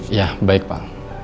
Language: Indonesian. iya baik pak